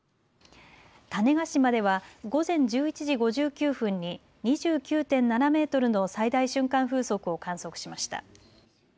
種子島では午前１１時５９分に２９．７メートルの最大瞬間風速を観測しました。